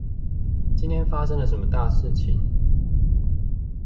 今天發生了什麼大事情